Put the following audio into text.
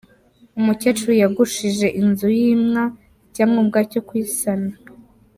Umukecuru yagushije inzu yimwa icyangombwa cyo kuyisana